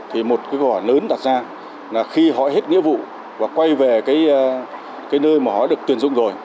thì một câu hỏi lớn đặt ra là khi họ hết nghĩa vụ và quay về nơi mà họ được tuyển dụng rồi